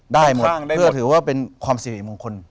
ได้หมดเพื่อถือว่าเป็นความสิริมงคล